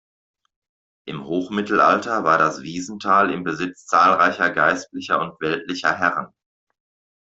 Im Hochmittelalter war das Wiesental im Besitz zahlreicher geistlicher und weltlicher Herren.